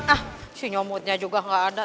ah si nyomotnya juga gak ada